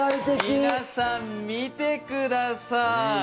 皆さん、見てください！